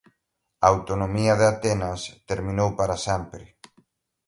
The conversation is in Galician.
A autonomía de Atenas terminou para sempre.